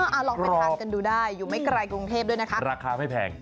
เอาลองไปทานกันดูได้อยู่ไม่ไกลกรุงเทพด้วยนะคะราคาไม่แพง